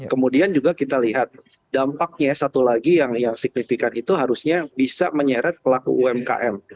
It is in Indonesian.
kemudian juga kita lihat dampaknya satu lagi yang signifikan itu harusnya bisa menyeret pelaku umkm